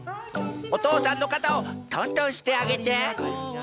おとうさんのかたをとんとんしてあげて。